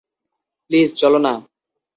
Please, চল না।